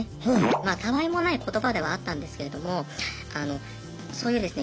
まあたあいもない言葉ではあったんですけれどもそういうですね